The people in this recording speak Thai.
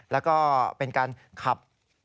แล้วก็เป็นการขับ